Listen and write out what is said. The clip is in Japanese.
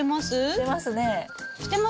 してますね。